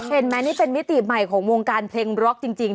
เห็นไหมนี่เป็นมิติใหม่ของวงการเพลงร็อกจริง